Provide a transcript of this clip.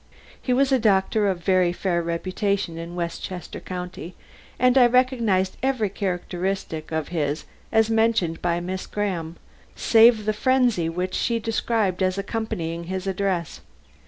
He was a doctor of very fair reputation in Westchester County, and I recognized every characteristic of his as mentioned by Miss Graham, save the frenzy which she described as accompanying his address.